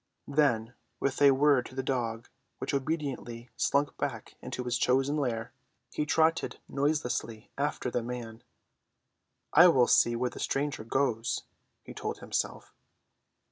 Then, with a word to the dog, which obediently slunk back into his chosen lair, he trotted noiselessly after the man. "I will see where the stranger goes," he told himself.